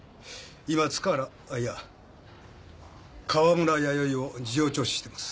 今塚原いや川村弥生を事情聴取してます。